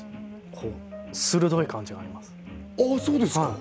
こう鋭い感じがありますそうですか